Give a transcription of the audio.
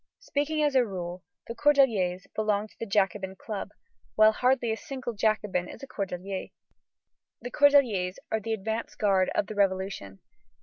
Speaking as a rule, the Cordeliers belong to the Jacobin Club, while hardly a single Jacobin is a Cordelier. The Cordeliers are the advance guard of the Revolution.